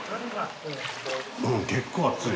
結構熱い。